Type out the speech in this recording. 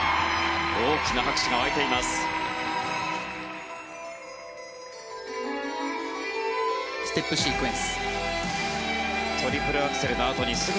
大きな拍手が沸いてます。